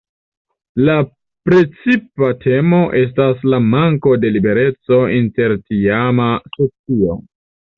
La precipa temo estas la manko de libereco en la tiama socio.